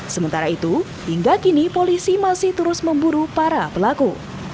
sementara itu hingga kini polisi masih terus memburu para pelaku